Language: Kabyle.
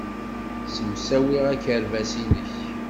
Ssemsawi akerbas-nnek.